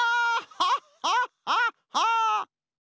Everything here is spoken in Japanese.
ハッハッハッハッ！